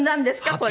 これ。